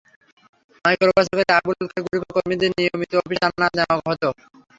মাইক্রোবাসে করে আবুল খায়ের গ্রুপের কর্মীদের নিয়মিত অফিসে আনা-নেওয়া করা হতো।